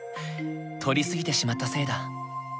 採り過ぎてしまったせいだ。